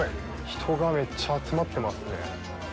人がめっちゃ集まってますね。